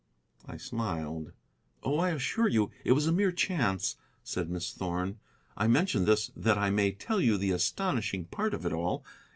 I smiled. "Oh, I assure you it was a mere chance," said Miss Thorn. "I mention this that I may tell you the astonishing part of it all.